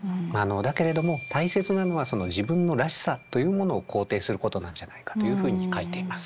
だけれども大切なのは自分のらしさというものを肯定することなんじゃないかというふうに書いています。